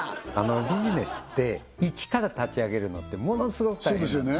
ビジネスって一から立ち上げるのってものすごく大変なんですよ